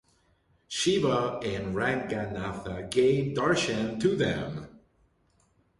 Shiva and Ranganatha gave darshan to them.